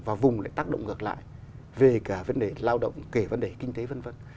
và vùng lại tác động ngược lại về cả vấn đề lao động kể vấn đề kinh tế v v